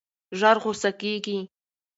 ژر غوسه کېږي.